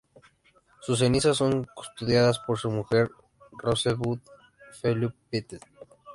Sus cenizas son custodiadas por su mujer, Rosebud Feliu-Pettet.